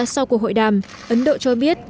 sau cuộc hội đàm ấn độ cho biết